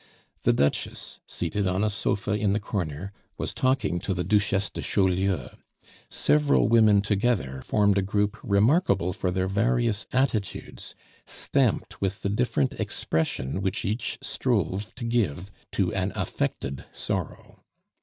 The Duchess, seated on a sofa in the corner, was talking to the Duchesse de Chaulieu. Several women together formed a group remarkable for their various attitudes, stamped with the different expression which each strove to give to an affected sorrow.